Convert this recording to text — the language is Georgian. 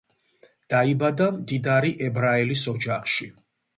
დაიაბადა მდიდარი ებრაელის ოჯახში.